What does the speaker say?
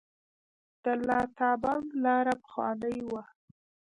د لاتابند لاره پخوانۍ وه